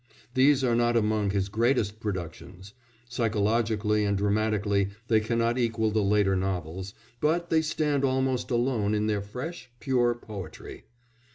These are not among his greatest productions; psychologically and dramatically they cannot equal the later novels, but they stand almost alone in their fresh, pure poetry.